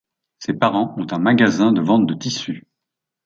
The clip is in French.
Ses parents ont un magasin de vente de tissus.